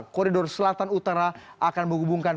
koridor selatan utara akan menghubungkan